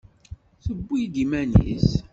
Tewwi-d iman-is.